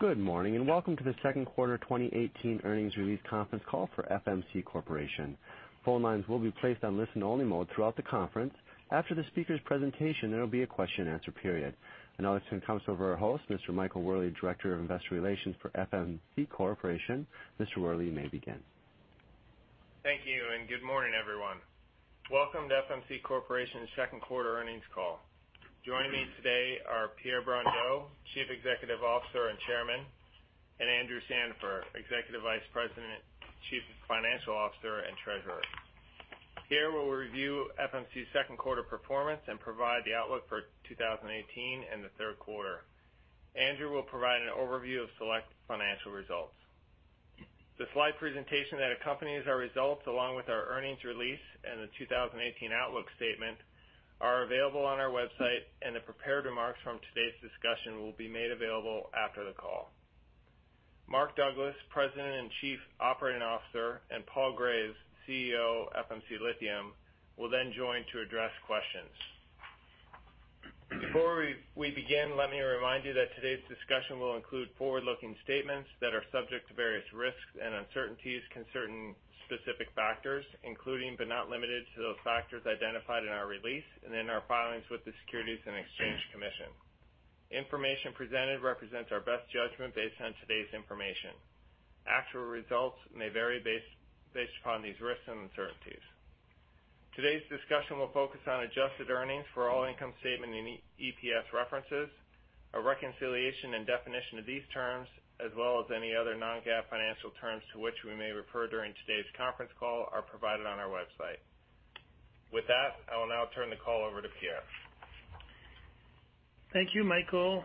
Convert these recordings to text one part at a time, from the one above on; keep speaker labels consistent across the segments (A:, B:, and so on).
A: Good morning. Welcome to the second quarter 2018 earnings release conference call for FMC Corporation. Phone lines will be placed on listen only mode throughout the conference. After the speaker's presentation, there will be a question and answer period. I now turn the conference over to our host, Mr. Michael Worley, Director of Investor Relations for FMC Corporation. Mr. Worley, you may begin.
B: Thank you. Good morning, everyone. Welcome to FMC Corporation's second quarter earnings call. Joining me today are Pierre Brondeau, Chief Executive Officer and Chairman, and Andrew Sandifer, Executive Vice President, Chief Financial Officer, and Treasurer. Pierre will review FMC's second quarter performance and provide the outlook for 2018 and the third quarter. Andrew will provide an overview of select financial results. The slide presentation that accompanies our results, along with our earnings release and the 2018 outlook statement, are available on our website. The prepared remarks from today's discussion will be made available after the call. Mark Douglas, President and Chief Operating Officer, and Paul Graves, CEO of FMC Lithium, will join to address questions. Before we begin, let me remind you that today's discussion will include forward-looking statements that are subject to various risks and uncertainties concerning specific factors, including but not limited to those factors identified in our release and in our filings with the Securities and Exchange Commission. Information presented represents our best judgment based on today's information. Actual results may vary based upon these risks and uncertainties. Today's discussion will focus on adjusted earnings for all income statement and EPS references. A reconciliation and definition of these terms, as well as any other non-GAAP financial terms to which we may refer during today's conference call, are provided on our website. With that, I will now turn the call over to Pierre.
C: Thank you, Michael.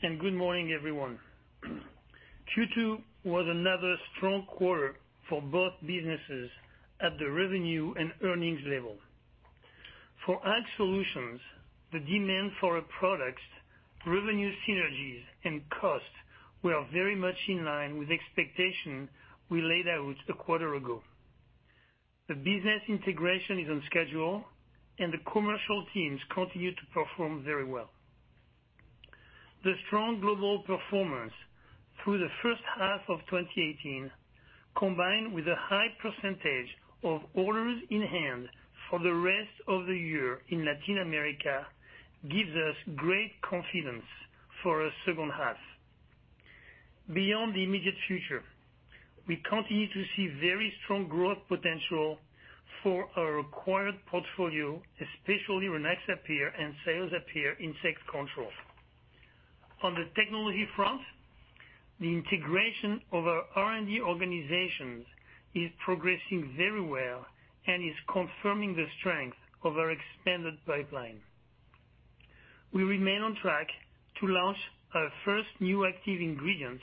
C: Good morning, everyone. Q2 was another strong quarter for both businesses at the revenue and earnings level. For Ag Solutions, the demand for our products, revenue synergies, and cost were very much in line with expectations we laid out a quarter ago. The business integration is on schedule. The commercial teams continue to perform very well. The strong global performance through the first half of 2018, combined with a high percentage of orders in hand for the rest of the year in Latin America, gives us great confidence for our second half. Beyond the immediate future, we continue to see very strong growth potential for our acquired portfolio, especially Rynaxypyr and Cyazypyr insect control. On the technology front, the integration of our R&D organizations is progressing very well and is confirming the strength of our expanded pipeline. We remain on track to launch our first new active ingredient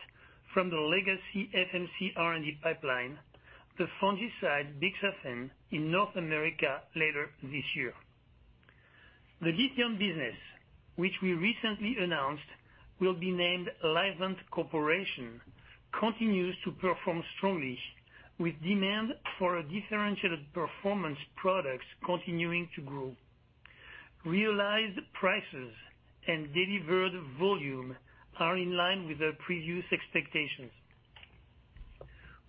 C: from the legacy FMC R&D pipeline, the fungicide Bixafen in North America later this year. The lithium business, which we recently announced will be named Livent Corporation, continues to perform strongly, with demand for our differentiated performance products continuing to grow. Realized prices and delivered volume are in line with our previous expectations.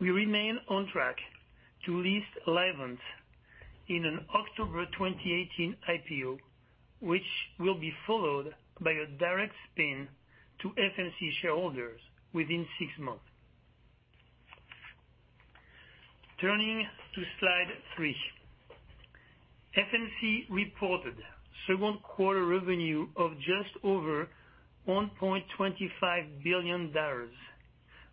C: We remain on track to list Livent in an October 2018 IPO, which will be followed by a direct spin to FMC shareholders within six months. Turning to slide three. FMC reported second quarter revenue of just over $1.25 billion,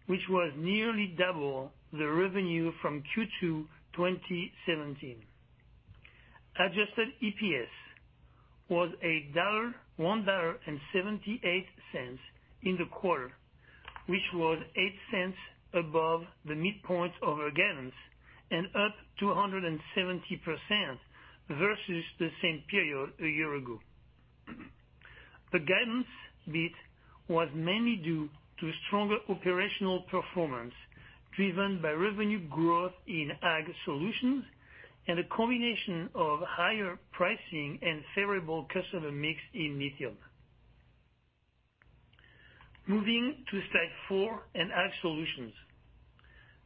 C: which was nearly double the revenue from Q2 2017. Adjusted EPS was $1.78 in the quarter, which was $0.08 above the midpoint of our guidance and up 270% versus the same period a year ago. The guidance beat was mainly due to stronger operational performance driven by revenue growth in Ag Solutions and a combination of higher pricing and favorable customer mix in lithium. Moving to slide four and Ag Solutions.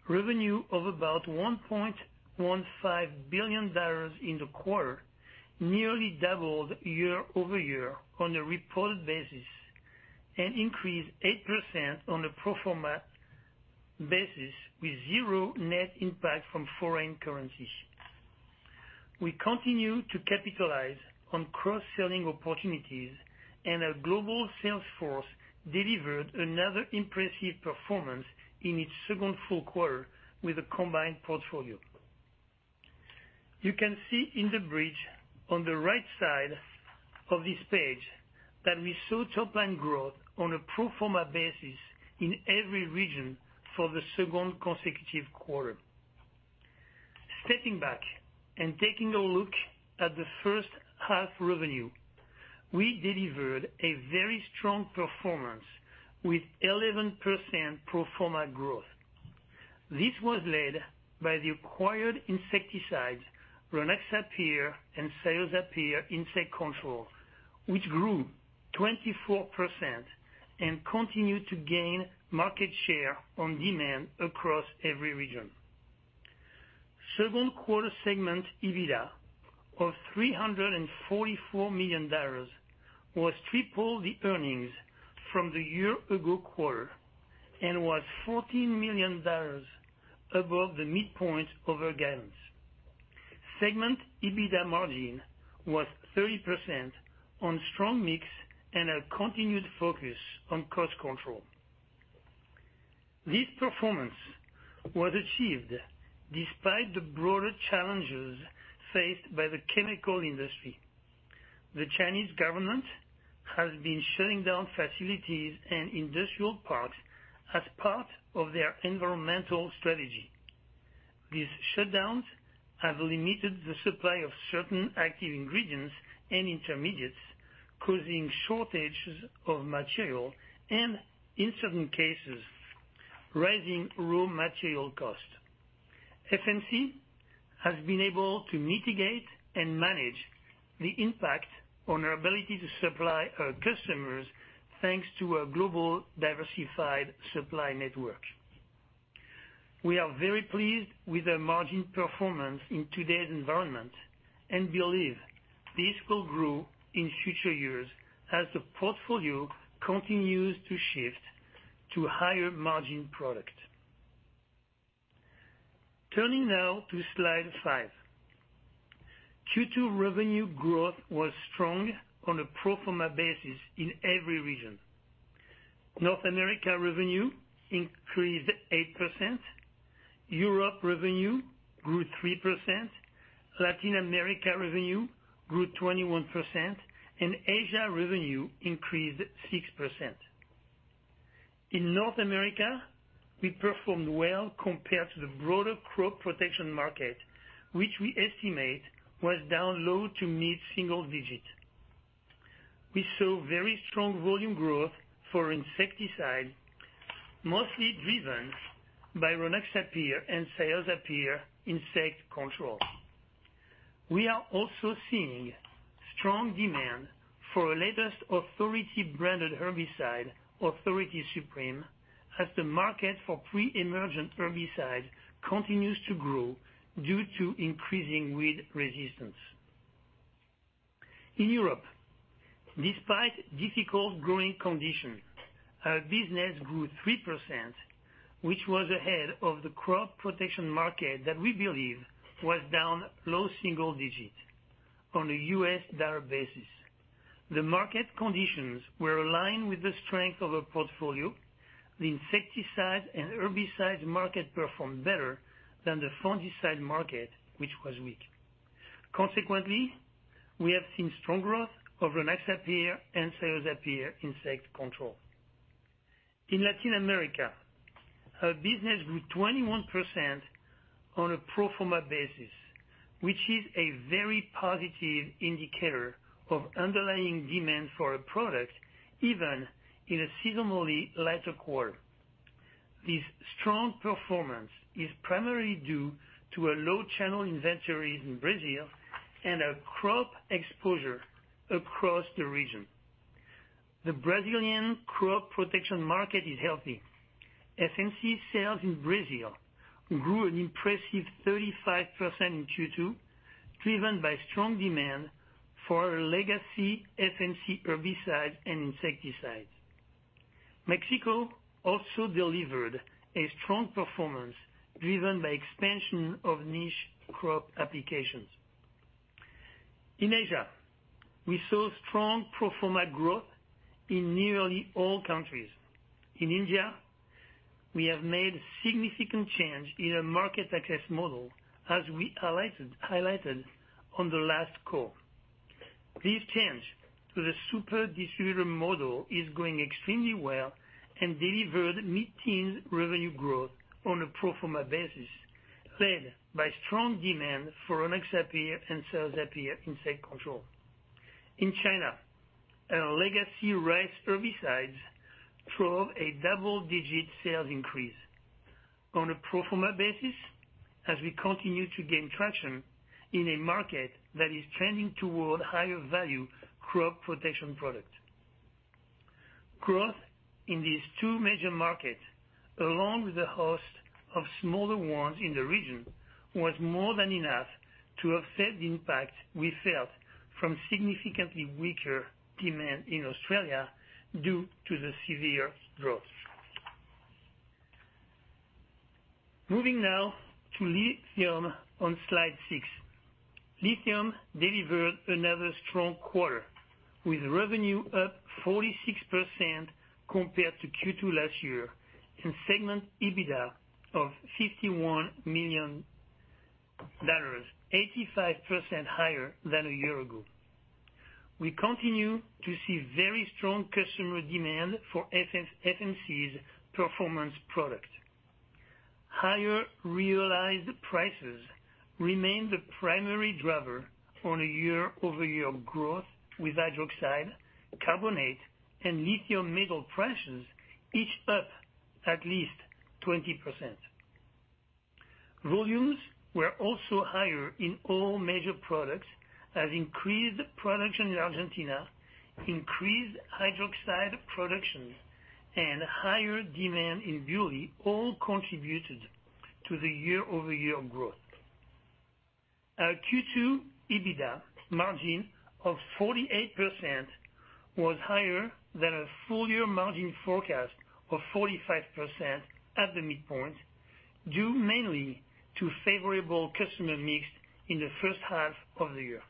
C: Revenue of about $1.15 billion in the quarter nearly doubled year-over-year on a reported basis and increased 8% on a pro forma basis, with zero net impact from foreign currencies. We continue to capitalize on cross-selling opportunities, and our global sales force delivered another impressive performance in its second full quarter with a combined portfolio. You can see in the bridge on the right side of this page that we saw top-line growth on a pro forma basis in every region for the second consecutive quarter. Stepping back and taking a look at the first half revenue, we delivered a very strong performance with 11% pro forma growth. This was led by the acquired insecticides, Rynaxypyr and Cyazypyr insect control, which grew 24% and continued to gain market share on demand across every region. Second quarter segment EBITDA of $344 million was triple the earnings from the year-ago quarter, and was $14 million above the midpoint of our guidance. Segment EBITDA margin was 30% on strong mix and a continued focus on cost control. This performance was achieved despite the broader challenges faced by the chemical industry. The Chinese government has been shutting down facilities and industrial parks as part of their environmental strategy. These shutdowns have limited the supply of certain active ingredients and intermediates, causing shortages of material and, in certain cases, raising raw material costs. FMC has been able to mitigate and manage the impact on our ability to supply our customers, thanks to our global diversified supply network. We are very pleased with the margin performance in today's environment and believe this will grow in future years as the portfolio continues to shift to higher margin product. Turning now to slide five. Q2 revenue growth was strong on a pro forma basis in every region. North America revenue increased 8%, Europe revenue grew 3%, Latin America revenue grew 21%, and Asia revenue increased 6%. In North America, we performed well compared to the broader crop protection market, which we estimate was down low to mid single digits. We saw very strong volume growth for insecticide, mostly driven by Rynaxypyr and Cyazypyr insect control. We are also seeing strong demand for our latest Authority-branded herbicide, Authority Supreme, as the market for pre-emergent herbicides continues to grow due to increasing weed resistance. In Europe, despite difficult growing conditions, our business grew 3%, which was ahead of the crop protection market that we believe was down low single digits on a U.S. dollar basis. The market conditions were aligned with the strength of our portfolio. The insecticide and herbicide market performed better than the fungicide market, which was weak. Consequently, we have seen strong growth of Rynaxypyr and Cyazypyr insect control. In Latin America, our business grew 21% on a pro forma basis, which is a very positive indicator of underlying demand for our product, even in a seasonally lighter quarter. This strong performance is primarily due to our low channel inventories in Brazil and our crop exposure across the region. The Brazilian crop protection market is healthy. FMC sales in Brazil grew an impressive 35% in Q2, driven by strong demand for our legacy FMC herbicides and insecticides. Mexico also delivered a strong performance driven by expansion of niche crop applications. In Asia, we saw strong pro forma growth in nearly all countries. In India, we have made significant change in our market access model, as we highlighted on the last call. This change to the super distributor model is going extremely well and delivered mid-teens revenue growth on a pro forma basis, led by strong demand for Rynaxypyr and Cyazypyr insect control. In China, our legacy rice herbicides drove a double-digit sales increase on a pro forma basis as we continue to gain traction in a market that is trending toward higher value crop protection product. Growth in these two major markets, along with a host of smaller ones in the region, was more than enough to offset the impact we felt from significantly weaker demand in Australia due to the severe drought. Moving now to Lithium on slide six. Lithium delivered another strong quarter, with revenue up 46% compared to Q2 last year and segment EBITDA of $51 million, 85% higher than a year ago. We continue to see very strong customer demand for FMC's performance product. Higher realized prices remain the primary driver on a year-over-year growth with hydroxide, carbonate, and lithium metal prices each up at least 20%. Volumes were also higher in all major products as increased production in Argentina, increased hydroxide productions, and higher demand in BuLi all contributed to the year-over-year growth. Our Q2 EBITDA margin of 48% was higher than our full-year margin forecast of 45% at the midpoint, due mainly to favorable customer mix in the first half of the year.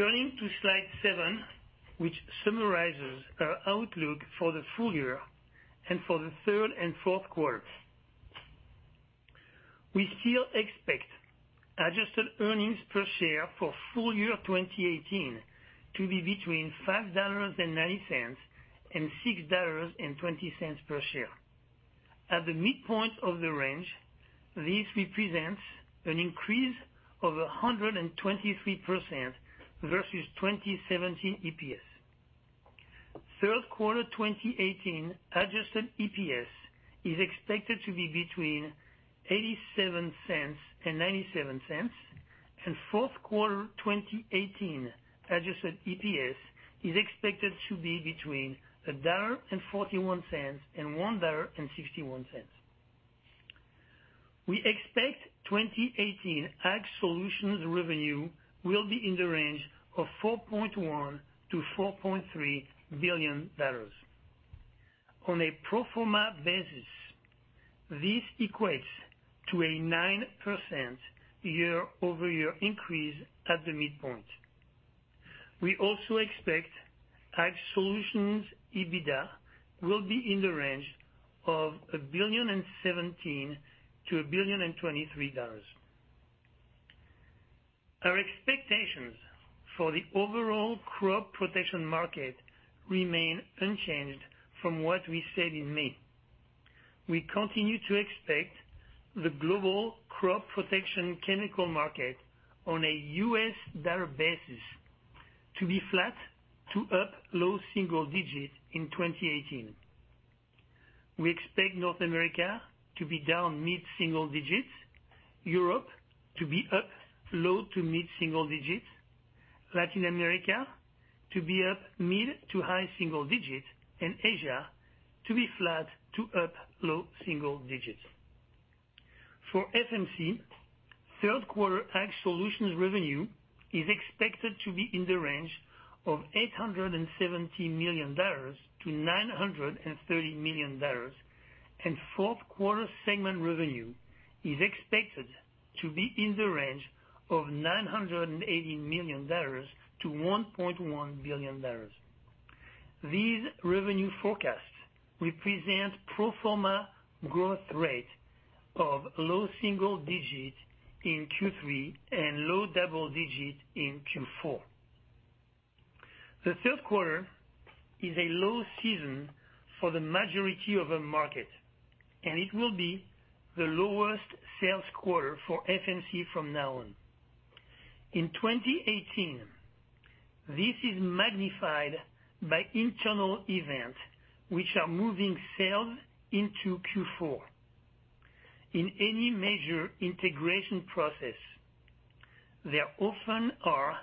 C: Turning to slide seven, which summarizes our outlook for the full year and for the third and fourth quarters. We still expect adjusted earnings per share for full year 2018 to be between $5.90 and $6.20 per share. At the midpoint of the range, this represents an increase of 123% versus 2017 EPS. Third quarter 2018 adjusted EPS is expected to be between $0.87 and $0.97, and fourth quarter 2018 adjusted EPS is expected to be between $1.41 and $1.61. We expect 2018 Ag Solutions revenue will be in the range of $4.1 billion-$4.3 billion. On a pro forma basis, this equates to a 9% year-over-year increase at the midpoint. We also expect Ag Solutions EBITDA will be in the range of $1.17 billion-$1.23 billion. Our expectations for the overall crop protection market remain unchanged from what we said in May. We continue to expect the global crop protection chemical market on a US dollar basis to be flat to up low single digits in 2018. We expect North America to be down mid-single digits, Europe to be up low to mid-single digits, Latin America to be up mid to high single digits, and Asia to be flat to up low single digits. For FMC, third quarter Ag Solutions revenue is expected to be in the range of $870 million-$930 million, and fourth quarter segment revenue is expected to be in the range of $980 million-$1.1 billion. These revenue forecasts represent pro forma growth rate of low single digits in Q3 and low double digits in Q4. The third quarter is a low season for the majority of our market, and it will be the lowest sales quarter for FMC from now on. In 2018, this is magnified by internal events, which are moving sales into Q4. In any major integration process, there often are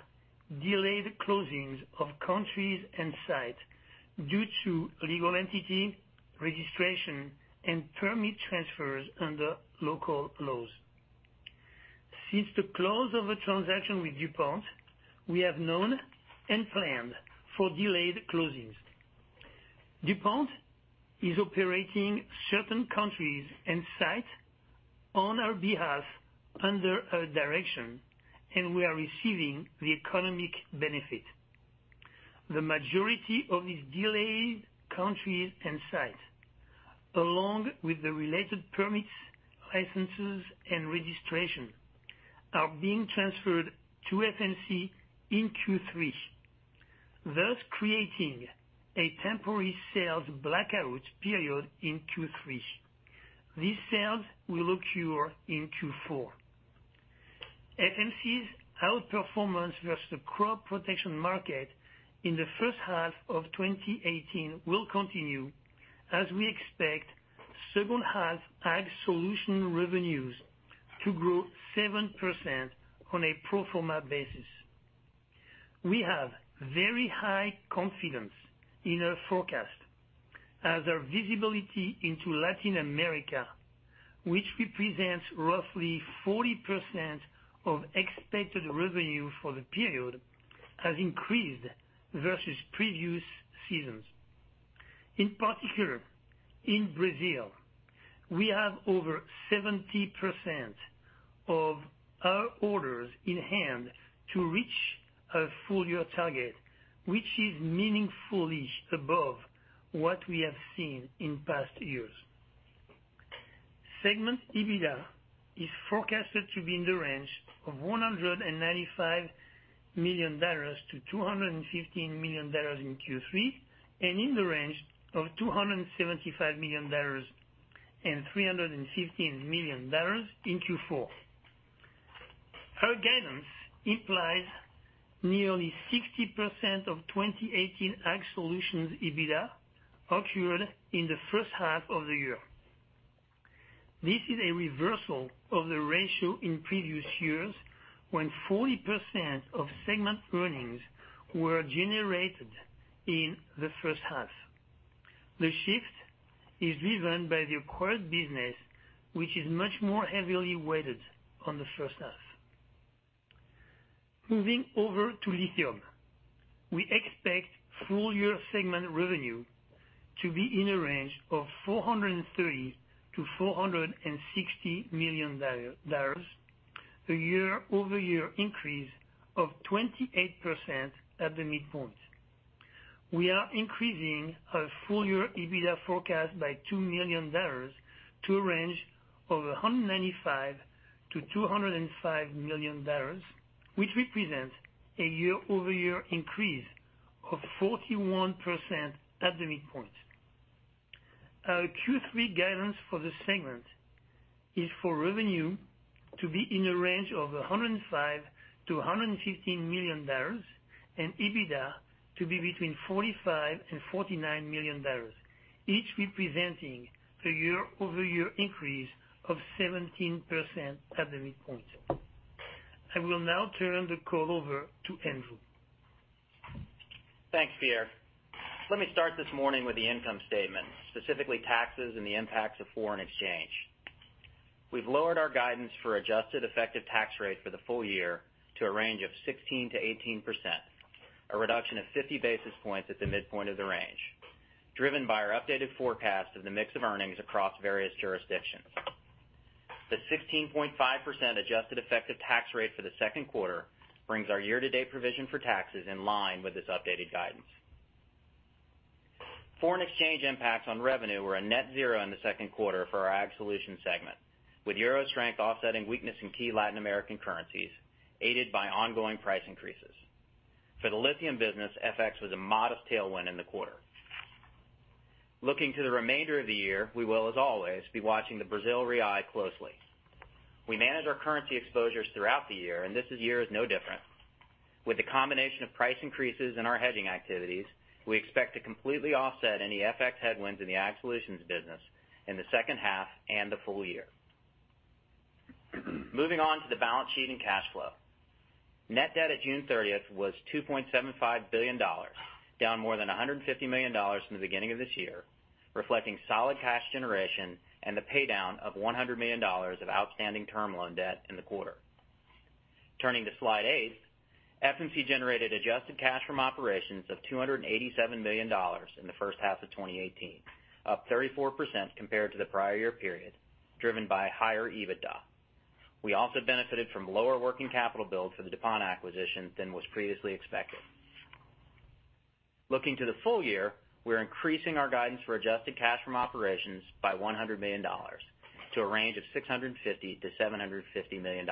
C: delayed closings of countries and sites due to legal entity registration and permit transfers under local laws. Since the close of the transaction with DuPont, we have known and planned for delayed closings. DuPont is operating certain countries and sites on our behalf under our direction, and we are receiving the economic benefit. The majority of these delayed countries and sites, along with the related permits, licenses, and registration, are being transferred to FMC in Q3, thus creating a temporary sales blackout period in Q3. These sales will occur in Q4. FMC's outperformance versus the crop protection market in the first half of 2018 will continue as we expect second half Ag Solutions revenues to grow 7% on a pro forma basis. We have very high confidence in our forecast as our visibility into Latin America, which represents roughly 40% of expected revenue for the period, has increased versus previous seasons. In particular, in Brazil, we have over 70% of our orders in hand to reach our full-year target, which is meaningfully above what we have seen in past years. Segment EBITDA is forecasted to be in the range of $195 million-$215 million in Q3, and in the range of $275 million and $315 million in Q4. Our guidance implies nearly 60% of 2018 Ag Solutions EBITDA occurred in the first half of the year. This is a reversal of the ratio in previous years, when 40% of segment earnings were generated in the first half. The shift is driven by the acquired business, which is much more heavily weighted on the first half. Moving over to Lithium. We expect full-year segment revenue to be in a range of $430 million-$460 million, a year-over-year increase of 28% at the midpoint. We are increasing our full-year EBITDA forecast by $2 million to a range of $195 million-$205 million, which represents a year-over-year increase of 41% at the midpoint. Our Q3 guidance for the segment is for revenue to be in the range of $105 million-$115 million, and EBITDA to be between $45 million and $49 million, each representing a year-over-year increase of 17% at the midpoint. I will now turn the call over to Andrew.
D: Thanks, Pierre. Let me start this morning with the income statement, specifically taxes and the impacts of foreign exchange. We've lowered our guidance for adjusted effective tax rate for the full year to a range of 16%-18%, a reduction of 50 basis points at the midpoint of the range, driven by our updated forecast of the mix of earnings across various jurisdictions. The 16.5% adjusted effective tax rate for the second quarter brings our year-to-date provision for taxes in line with this updated guidance. Foreign exchange impacts on revenue were a net zero in the second quarter for our Ag Solutions segment, with euro strength offsetting weakness in key Latin American currencies, aided by ongoing price increases. For the lithium business, FX was a modest tailwind in the quarter. Looking to the remainder of the year, we will, as always, be watching the BRL closely. We manage our currency exposures throughout the year, and this year is no different. With the combination of price increases in our hedging activities, we expect to completely offset any FX headwinds in the Ag Solutions business in the second half and the full year. Moving on to the balance sheet and cash flow. Net debt at June 30th was $2.75 billion, down more than $150 million from the beginning of this year, reflecting solid cash generation and the paydown of $100 million of outstanding term loan debt in the quarter. Turning to slide eight, FMC generated adjusted cash from operations of $287 million in the first half of 2018, up 34% compared to the prior year period, driven by higher EBITDA. We also benefited from lower working capital build for the DuPont acquisition than was previously expected. Looking to the full year, we're increasing our guidance for adjusted cash from operations by $100 million to a range of $650 million-$750 million.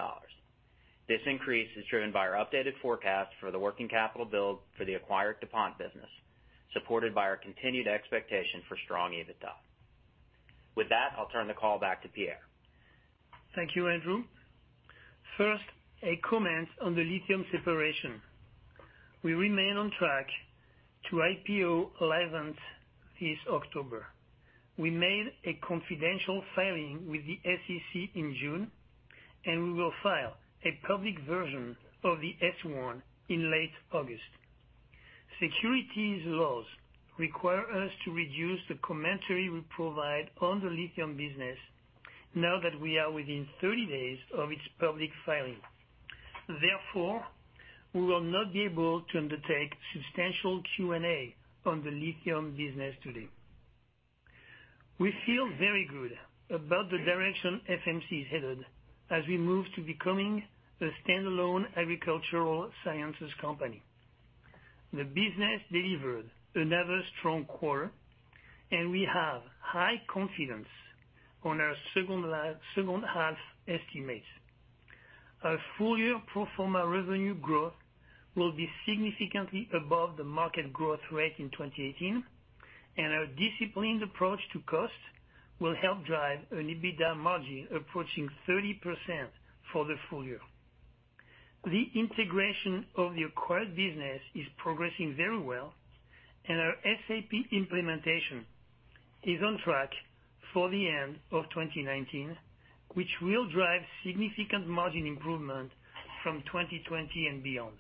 D: This increase is driven by our updated forecast for the working capital build for the acquired DuPont business, supported by our continued expectation for strong EBITDA. With that, I'll turn the call back to Pierre.
C: Thank you, Andrew. First, a comment on the lithium separation. We remain on track to IPO Livent this October. We made a confidential filing with the SEC in June, and we will file a public version of the S1 in late August. Securities laws require us to reduce the commentary we provide on the lithium business now that we are within 30 days of its public filing. Therefore, we will not be able to undertake substantial Q&A on the lithium business today. We feel very good about the direction FMC is headed as we move to becoming a standalone agricultural sciences company. The business delivered another strong quarter, and we have high confidence on our second half estimates. Our full-year pro forma revenue growth will be significantly above the market growth rate in 2018, and our disciplined approach to cost will help drive an EBITDA margin approaching 30% for the full year. The integration of the acquired business is progressing very well, and our SAP implementation is on track for the end of 2019, which will drive significant margin improvement from 2020 and beyond.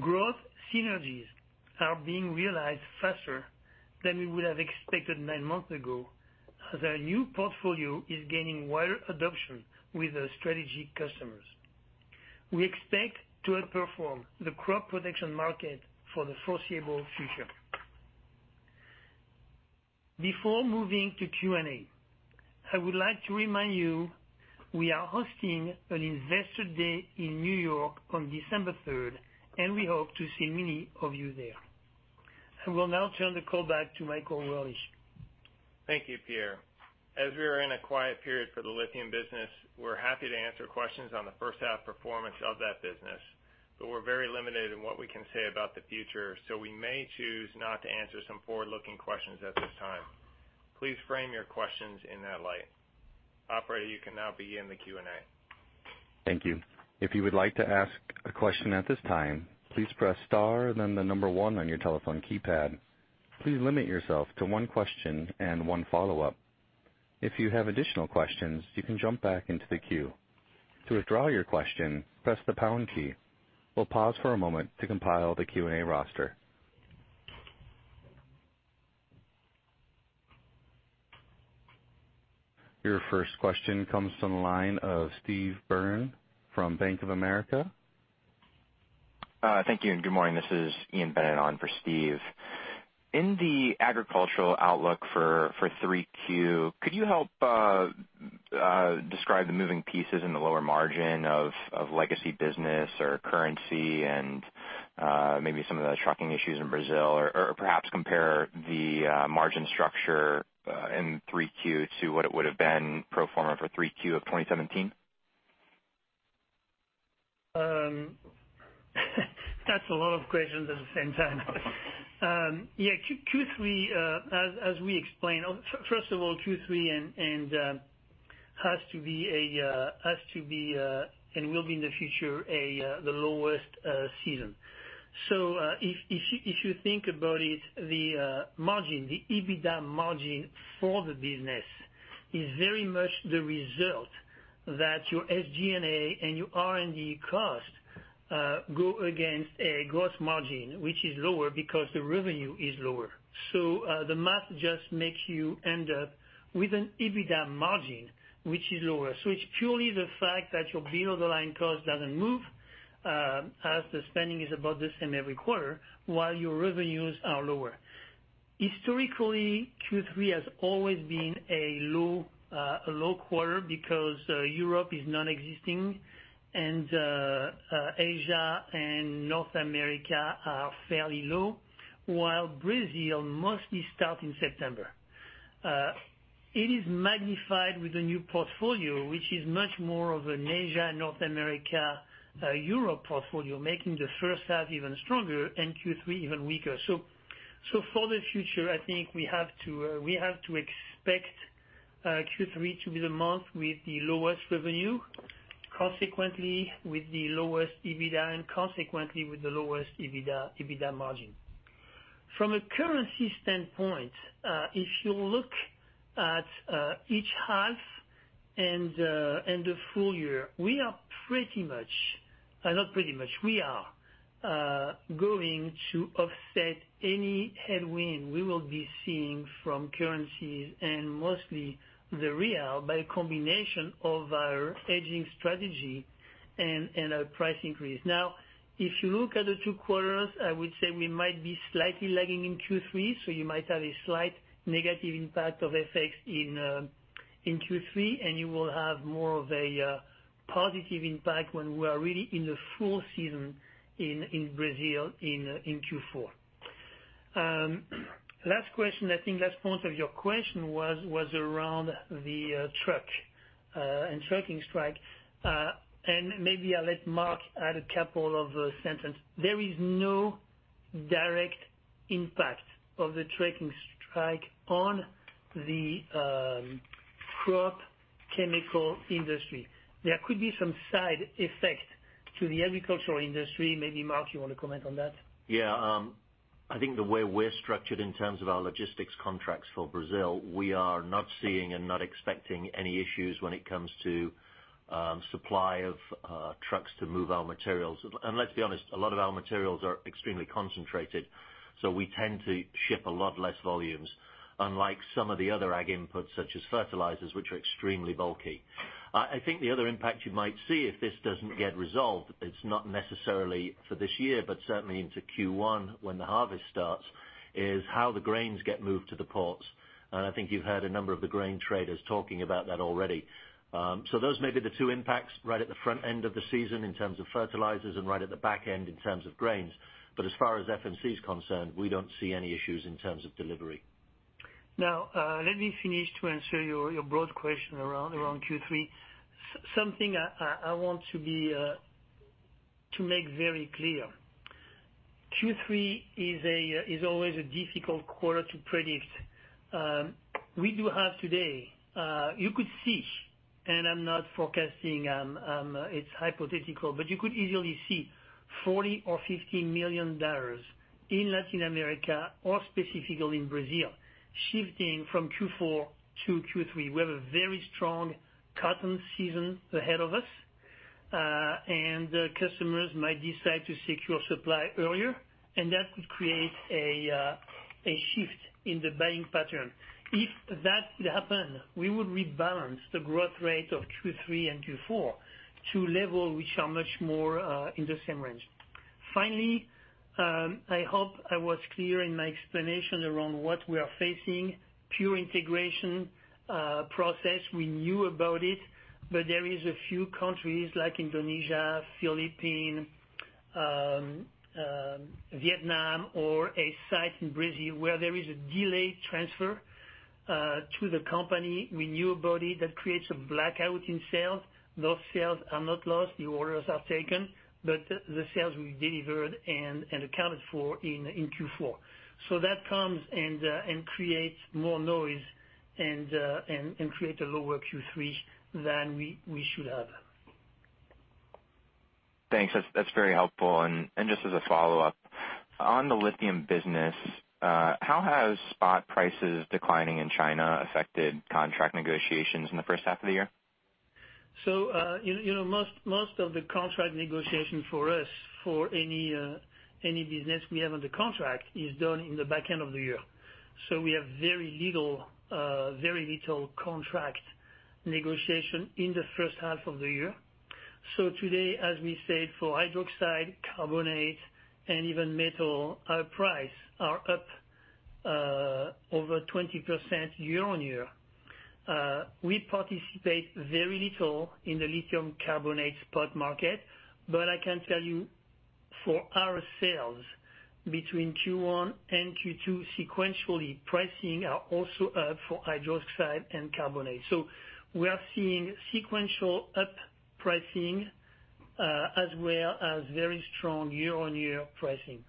C: Growth synergies are being realized faster than we would have expected nine months ago, as our new portfolio is gaining wider adoption with our strategy customers. We expect to outperform the crop protection market for the foreseeable future. Before moving to Q&A, I would like to remind you, we are hosting an investor day in New York on December 3rd, and we hope to see many of you there. I will now turn the call back to Michael Worley.
B: Thank you, Pierre. As we are in a quiet period for the lithium business, we're happy to answer questions on the first half performance of that business, but we're very limited in what we can say about the future, so we may choose not to answer some forward-looking questions at this time. Please frame your questions in that light. Operator, you can now begin the Q&A.
A: Thank you. If you would like to ask a question at this time, please press star then the number one on your telephone keypad. Please limit yourself to one question and one follow-up. If you have additional questions, you can jump back into the queue. To withdraw your question, press the pound key. We'll pause for a moment to compile the Q&A roster. Your first question comes from the line of Steve Byrne from Bank of America.
E: Thank you, and good morning. This is Ian Bennett on for Steve. In the agricultural outlook for three Q, could you help describe the moving pieces in the lower margin of legacy business or currency and maybe some of the trucking issues in Brazil? Perhaps compare the margin structure in three Q to what it would've been pro forma for three Q of 2017.
C: That's a lot of questions at the same time. Q3. As we explained, first of all, Q3 has to be, and will be in the future, the lowest season. If you think about it, the EBITDA margin for the business is very much the result that your SG&A and your R&D costs go against a gross margin, which is lower because the revenue is lower. The math just makes you end up with an EBITDA margin, which is lower. It's purely the fact that your below-the-line cost doesn't move, as the spending is about the same every quarter, while your revenues are lower. Historically, Q3 has always been a low quarter because Europe is non-existing and Asia and North America are fairly low, while Brazil mostly starts in September. It is magnified with the new portfolio, which is much more of an Asia, North America, Europe portfolio, making the first half even stronger and Q3 even weaker. For the future, I think we have to expect Q3 to be the month with the lowest revenue, consequently with the lowest EBITDA, and consequently with the lowest EBITDA margin. From a currency standpoint, if you look at each half and the full year, we are going to offset any headwind we will be seeing from currencies, and mostly the Real, by a combination of our hedging strategy and our price increase. If you look at the two quarters, I would say we might be slightly lagging in Q3, you might have a slight negative impact of effects in Q3, and you will have more of a positive impact when we are really in the full season in Brazil in Q4. Last point of your question was around the truck and trucking strike. Maybe I'll let Mark add a couple of sentence. There is no direct impact of the trucking strike on the crop chemical industry. There could be some side effects to the agricultural industry. Maybe, Mark, you want to comment on that?
F: Yeah. I think the way we're structured in terms of our logistics contracts for Brazil, we are not seeing and not expecting any issues when it comes to supply of trucks to move our materials. Let's be honest, a lot of our materials are extremely concentrated, we tend to ship a lot less volumes, unlike some of the other ag inputs such as fertilizers, which are extremely bulky. I think the other impact you might see if this doesn't get resolved, it's not necessarily for this year, but certainly into Q1 when the harvest starts, is how the grains get moved to the ports. I think you've heard a number of the grain traders talking about that already. Those may be the two impacts right at the front end of the season in terms of fertilizers and right at the back end in terms of grains. As far as FMC is concerned, we don't see any issues in terms of delivery.
C: Let me finish to answer your broad question around Q3. Something I want to make very clear. Q3 is always a difficult quarter to predict. We do have today, you could see, and I'm not forecasting, it's hypothetical, you could easily see $40 million or $50 million in Latin America or specifically in Brazil, shifting from Q4 to Q3. We have a very strong cotton season ahead of us. Customers might decide to secure supply earlier, and that could create a shift in the buying pattern. If that happened, we would rebalance the growth rate of Q3 and Q4 to levels which are much more in the same range. Finally, I hope I was clear in my explanation around what we are facing. Pure integration process, we knew about it, there is a few countries like Indonesia, Philippines, Vietnam or a site in Brazil where there is a delayed transfer to the company. We knew about it that creates a blackout in sales. Those sales are not lost. The orders are taken, but the sales we delivered and accounted for in Q4. That comes and creates more noise and creates a lower Q3 than we should have.
E: Thanks. That's very helpful. Just as a follow-up, on the lithium business, how has spot prices declining in China affected contract negotiations in the first half of the year?
C: Most of the contract negotiation for us, for any business we have under contract, is done in the back end of the year. We have very little contract negotiation in the first half of the year. Today, as we said, for hydroxide, carbonate, and even metal, our price are up over 20% year-on-year. We participate very little in the lithium carbonate spot market, I can tell you for our sales between Q1 and Q2 sequentially, pricing are also up for hydroxide and carbonate. We are seeing sequential up pricing, as well as very strong year-on-year pricing.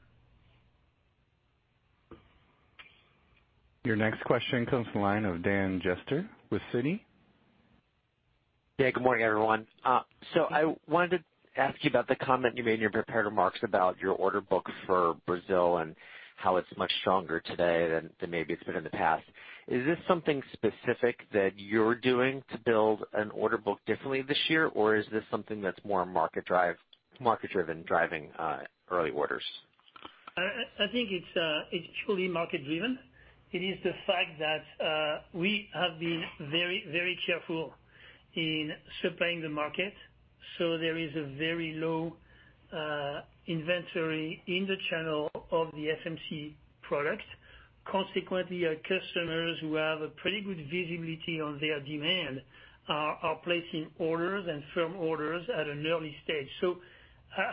A: Your next question comes from the line of Dan Jester with Citi.
G: Yeah. Good morning, everyone. I wanted to ask you about the comment you made in your prepared remarks about your order book for Brazil and how it's much stronger today than maybe it's been in the past. Is this something specific that you're doing to build an order book differently this year, or is this something that's more market-driven, driving early orders?
C: I think it's truly market driven. It is the fact that we have been very careful in supplying the market. There is a very low inventory in the channel of the FMC products. Consequently, our customers who have a pretty good visibility on their demand are placing orders and firm orders at an early stage.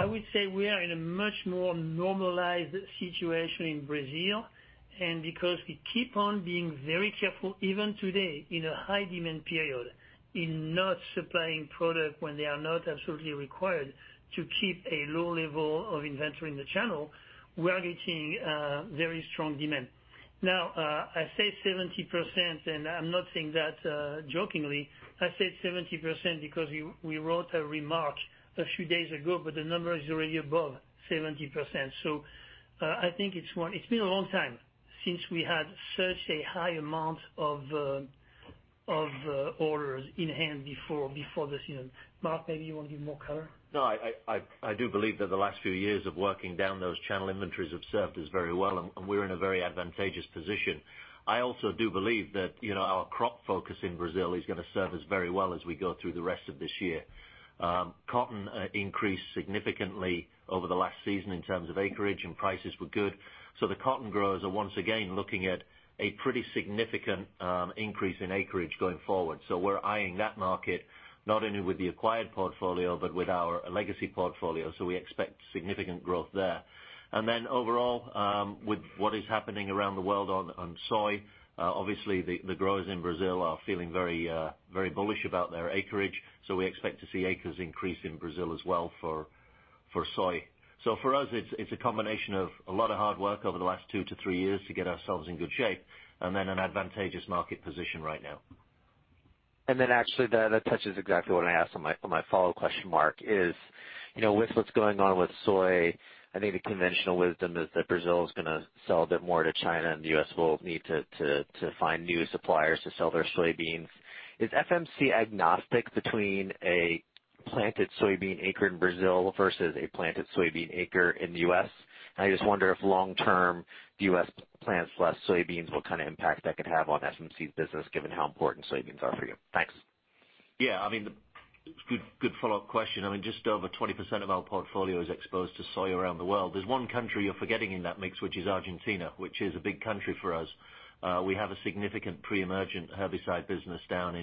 C: I would say we are in a much more normalized situation in Brazil. Because we keep on being very careful, even today, in a high demand period, in not supplying product when they are not absolutely required to keep a low level of inventory in the channel, we are getting very strong demand. I say 70%, and I'm not saying that jokingly. I said 70% because we wrote a remark a few days ago, the number is already above 70%. I think it's been a long time since we had such a high amount of orders in hand before this season. Mark, maybe you want to give more color?
F: No, I do believe that the last few years of working down those channel inventories have served us very well, and we're in a very advantageous position. I also do believe that our crop focus in Brazil is going to serve us very well as we go through the rest of this year. Cotton increased significantly over the last season in terms of acreage and prices were good. The cotton growers are once again looking at a pretty significant increase in acreage going forward. We're eyeing that market not only with the acquired portfolio but with our legacy portfolio. We expect significant growth there. Overall, with what is happening around the world on soy, obviously the growers in Brazil are feeling very bullish about their acreage. We expect to see acres increase in Brazil as well for soy. For us, it's a combination of a lot of hard work over the last two to three years to get ourselves in good shape and an advantageous market position right now.
G: Actually that touches exactly what I asked on my follow-up question, Mark, is, with what's going on with soy, I think the conventional wisdom is that Brazil is going to sell a bit more to China, and the U.S. will need to find new suppliers to sell their soybeans. Is FMC agnostic between a planted soybean acre in Brazil versus a planted soybean acre in the U.S.? I just wonder if long term the U.S. plants less soybeans, what kind of impact that could have on FMC's business, given how important soybeans are for you. Thanks.
F: Good follow-up question. Just over 20% of our portfolio is exposed to soy around the world. There's one country you're forgetting in that mix, which is Argentina, which is a big country for us. We have a significant pre-emergent herbicide business down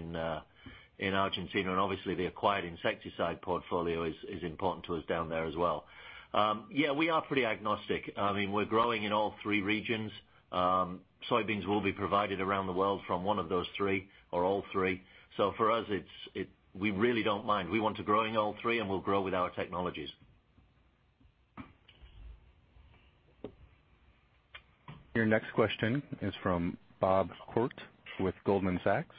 F: in Argentina, and obviously the acquired insecticide portfolio is important to us down there as well. We're pretty agnostic. We're growing in all three regions. Soybeans will be provided around the world from one of those three or all three. For us, we really don't mind. We want to grow in all three, and we'll grow with our technologies.
A: Your next question is from Bob Koort with Goldman Sachs.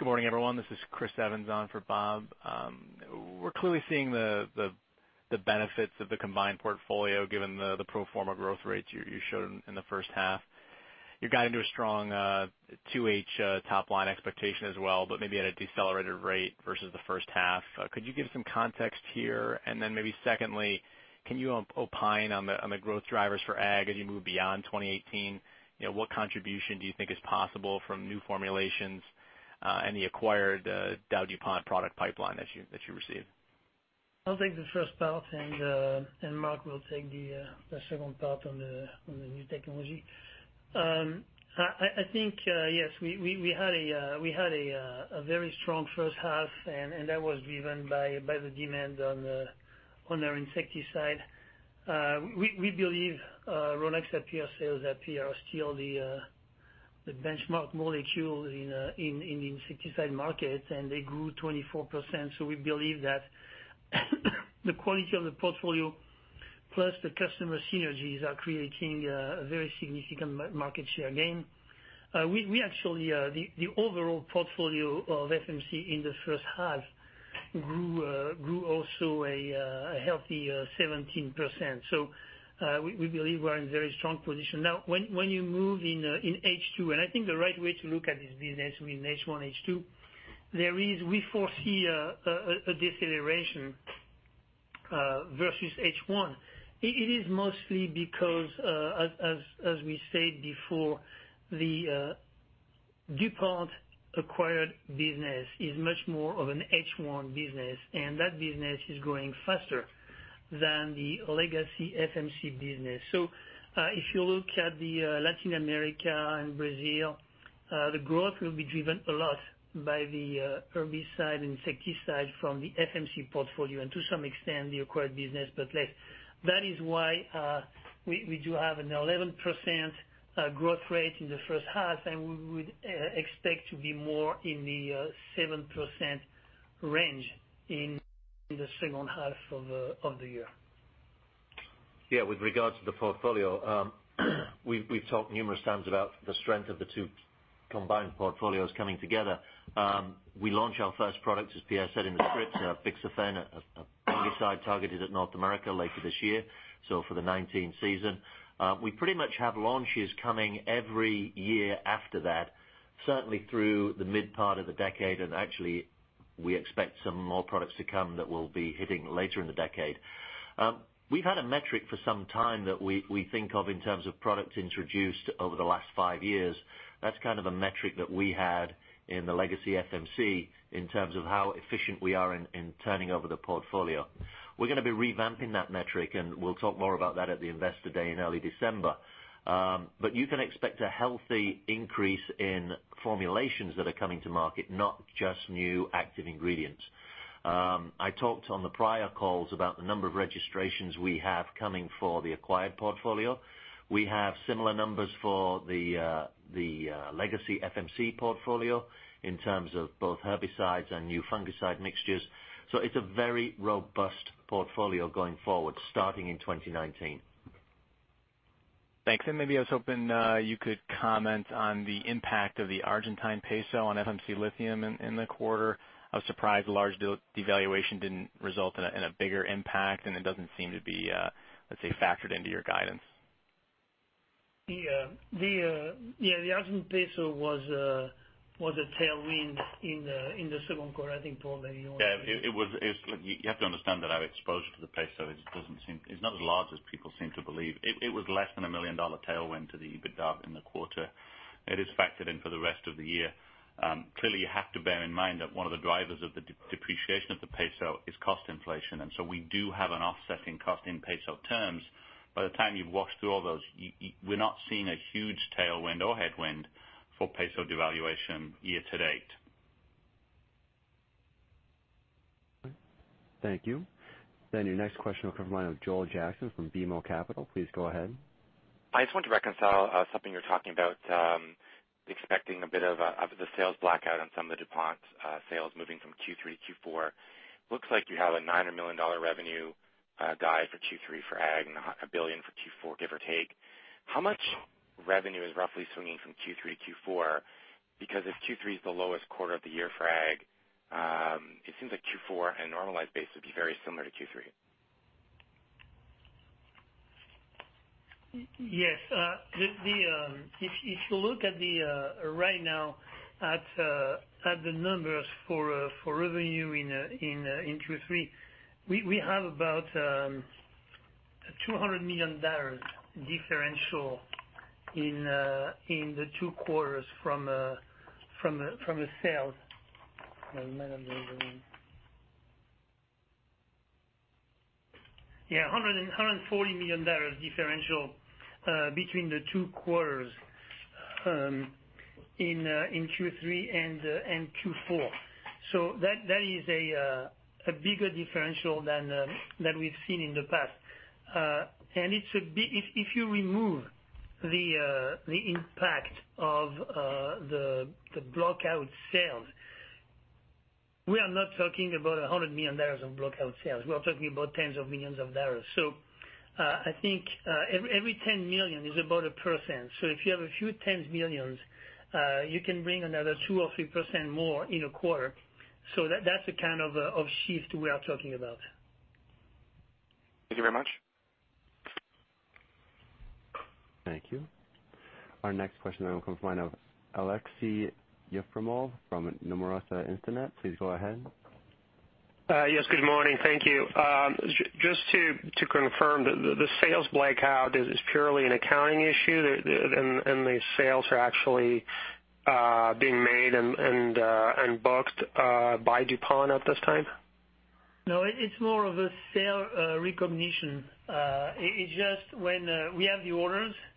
H: Good morning, everyone. This is Chris Evans on for Bob. We're clearly seeing the benefits of the combined portfolio, given the pro forma growth rates you showed in the first half. You're guiding to a strong 2H top line expectation as well, but maybe at a decelerated rate versus the first half. Could you give some context here? Maybe secondly, can you opine on the growth drivers for Ag as you move beyond 2018? What contribution do you think is possible from new formulations and the acquired DowDuPont product pipeline that you received?
C: I'll take the first part, and Mark will take the second part on the new technology. I think, yes, we had a very strong first half, and that was driven by the demand on our insecticide. We believe Rynaxypyr sales are still the benchmark molecules in the insecticide market, and they grew 24%. We believe that the quality of the portfolio plus the customer synergies are creating a very significant market share gain. Actually, the overall portfolio of FMC in the first half grew also a healthy 17%. We believe we're in a very strong position. When you move in H2, I think the right way to look at this business will be in H1, H2. We foresee a deceleration versus H1. It is mostly because, as we said before, the DuPont acquired business is much more of an H1 business, and that business is growing faster than the legacy FMC business. If you look at Latin America and Brazil, the growth will be driven a lot by the herbicide, insecticide from the FMC portfolio and to some extent the acquired business, but less. That is why we do have an 11% growth rate in the first half, and we would expect to be more in the 7% range in the second half of the year.
F: Yeah. With regards to the portfolio, we've talked numerous times about the strength of the two combined portfolios coming together. We launch our first product, as Pierre said in the script, Bixafen, a fungicide targeted at North America later this year, so for the 2019 season. We pretty much have launches coming every year after that, certainly through the mid part of the decade, and actually, we expect some more products to come that will be hitting later in the decade. We've had a metric for some time that we think of in terms of products introduced over the last five years. That's kind of a metric that we had in the legacy FMC in terms of how efficient we are in turning over the portfolio. We're going to be revamping that metric, and we'll talk more of that at the Investor Day in early December. You can expect a healthy increase in formulations that are coming to market, not just new active ingredients. I talked on the prior calls about the number of registrations we have coming for the acquired portfolio. We have similar numbers for the legacy FMC portfolio in terms of both herbicides and new fungicide mixtures. It's a very robust portfolio going forward, starting in 2019.
H: Thanks. Maybe I was hoping you could comment on the impact of the Argentine peso on FMC Lithium in the quarter. I was surprised the large devaluation didn't result in a bigger impact, and it doesn't seem to be, let's say, factored into your guidance.
C: Yeah. The Argentine peso was a tailwind in the second quarter. I think, Paul, that you know.
I: Yeah. You have to understand that our exposure to the peso is not as large as people seem to believe. It was less than a $1 million tailwind to the EBITDA in the quarter. It is factored in for the rest of the year. Clearly, you have to bear in mind that one of the drivers of the depreciation of the peso is cost inflation, we do have an offsetting cost in peso terms. By the time you've walked through all those, we're not seeing a huge tailwind or headwind for peso devaluation year to date.
A: Thank you. Your next question will come from Joel Jackson from BMO Capital. Please go ahead.
J: I just want to reconcile something you're talking about, expecting a bit of the sales blackout on some of the DuPont sales moving from Q3 to Q4. Looks like you have a $900 million revenue guide for Q3 for ag and a $1 billion for Q4, give or take. How much revenue is roughly swinging from Q3 to Q4? Because if Q3 is the lowest quarter of the year for ag, it seems like Q4 and normalized base would be very similar to Q3.
C: Yes. If you look right now at the numbers for revenue in Q3, we have about $200 million differential in the two quarters from the sales. Let me get my numbers right. Yeah, $140 million differential between the two quarters in Q3 and Q4. That is a bigger differential than we've seen in the past. If you remove the impact of the blackout sales, we are not talking about $100 million of blackout sales. We are talking about tens of millions of dollars. I think every $10 million is about a percent. If you have a few tens millions, you can bring another 2% or 3% more in a quarter. That's the kind of shift we are talking about.
J: Thank you very much.
A: Thank you. Our next question will come from Aleksey Yefremov from Nomura Instinet. Please go ahead.
K: Yes, good morning. Thank you. Just to confirm, the sales blackout is purely an accounting issue, and the sales are actually being made and booked by DuPont at this time?
C: No, it's more of a sale recognition. It's just when we have the orders, and we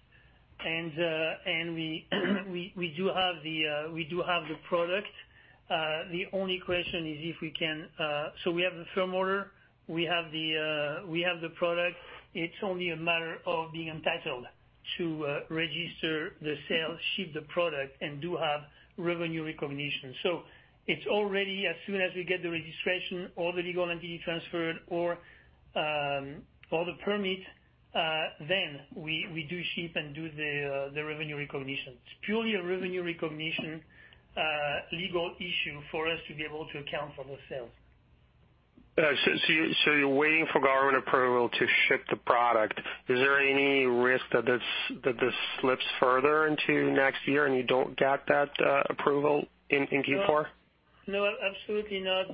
C: do have the product. The only question is we have the firm order, we have the product. It's only a matter of being entitled to register the sale, ship the product, and do have revenue recognition. It's already as soon as we get the registration or the legal entity transferred, or the permit, then we do ship and do the revenue recognition. It's purely a revenue recognition legal issue for us to be able to account for the sale.
K: You're waiting for government approval to ship the product. Is there any risk that this slips further into next year and you don't get that approval in Q4?
C: No, absolutely not.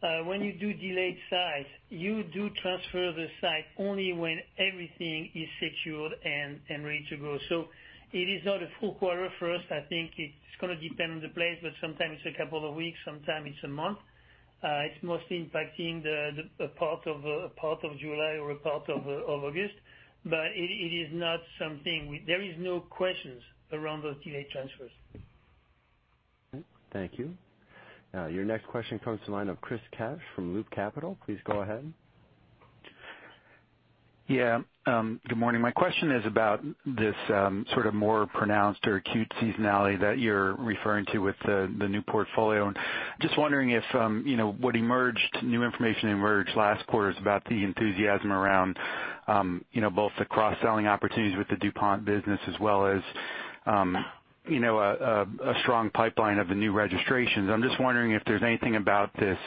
C: When you do delayed sites, you do transfer the site only when everything is secured and ready to go. It is not a full quarter for us. I think it's going to depend on the place, but sometime it's a couple of weeks, sometime it's a month. It's mostly impacting the part of July or a part of August. There is no questions around those delayed transfers.
A: Okay, thank you. Your next question comes to the line of Chris Kapsch from Loop Capital. Please go ahead.
L: Good morning. My question is about this sort of more pronounced or acute seasonality that you're referring to with the new portfolio. Just wondering if what emerged, new information emerged last quarter is about the enthusiasm around both the cross-selling opportunities with the DuPont business as well as a strong pipeline of the new registrations. I'm just wondering if there's anything about this,